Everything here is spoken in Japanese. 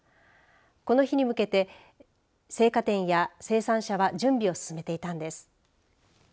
この日に向けて生花店や生産者は準備を進めていたんです。